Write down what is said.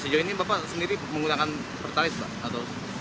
sejauh ini bapak sendiri menggunakan pertalite pak